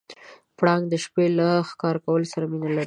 پړانګ د شپې له ښکار کولو سره مینه لري.